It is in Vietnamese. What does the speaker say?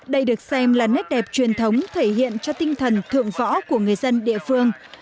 đây được xem là nét đẹp truyền thống thể hiện cho tinh thần thượng võ của người dân địa phương